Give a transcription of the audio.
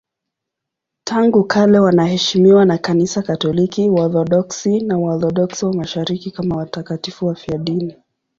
Tangu kale wanaheshimiwa na Kanisa Katoliki, Waorthodoksi na Waorthodoksi wa Mashariki kama watakatifu wafiadini.